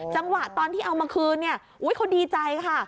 จังหวะตอนที่เอามาคืนเนี่ยเขาดีใจค่ะ